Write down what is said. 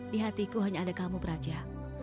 di hatiku hanya ada kamu beraja